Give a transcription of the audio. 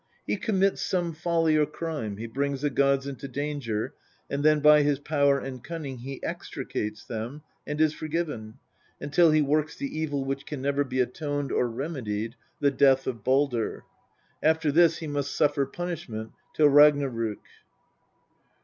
He commits some folly or crime, he bring the gods into danger, and then by his power and cunning h'e extricates them and is forgiven, until he works the evil which can never be atoned or remedied the death of Baldr. After this he must suffer punishment till Ragnarok.